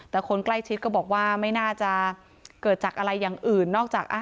แต่คนใกล้ชิดก็บอกว่าไม่น่าจะเกิดจากอะไรอย่างอื่นนอกจาก